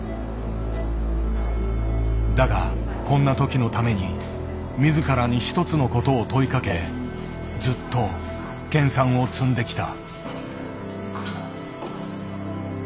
だがこんな時のために自らに一つのことを問いかけずっと研さんを積んできた。